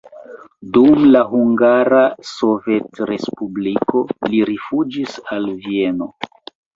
Dum la Hungara Sovetrespubliko li rifuĝis al Vieno.